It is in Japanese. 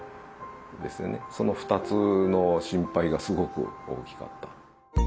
その２つの心配がすごく大きかった。